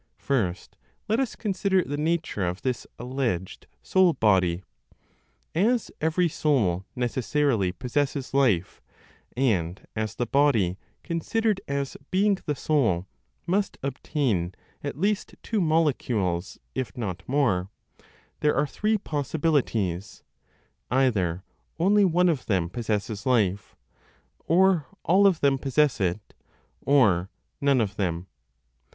First, let us consider the nature of this alleged soul body. As every soul necessarily possesses life, and as the body, considered as being the soul, must obtain at least two molecules, if not more (there are three possibilities): either only one of them possesses life, or all of them possess it, or none of them.